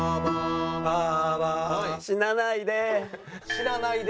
「死なないで」。